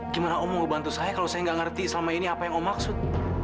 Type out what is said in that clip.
gimana om mau bantu saya kalau saya nggak ngerti selama ini apa yang om